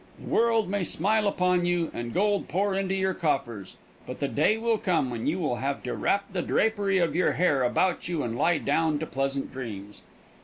The world may smile upon you, and gold pour into your coffers, but the day will come when you will have to wrap the drapery of your hair about you and lie down to pleasant dreams.